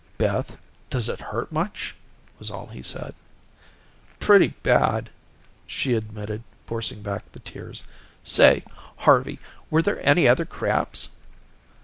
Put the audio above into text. "Beth, does it hurt much?" was all he said. "Pretty bad," she admitted, forcing back the tears. "Say, Harvey, were there any other crabs?"